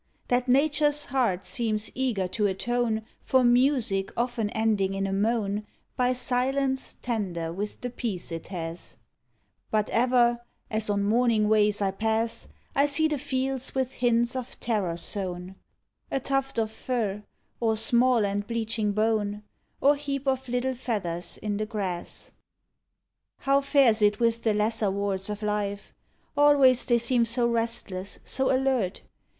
— That Nature's heart seems eager to atone For music often ending in a moan By silence tender with the peace it has; But ever, as on morning ways I pass, I see the fields with hints of terror sown — A tuft of fur, or small and bleaching bone, Or heap of little feathers in the grass. How fares it with the lesser wards of life"? — Always they seem so restless, so alert.